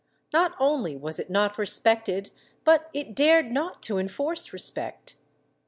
Not only was it not respected but it dared not to enforce respect.